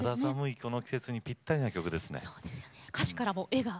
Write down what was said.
この季節にぴったりの曲ですね。